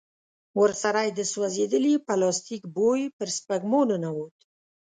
ورسره يې د سوځېدلي پلاستيک بوی پر سپږمو ننوت.